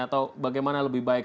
atau bagaimana lebih baik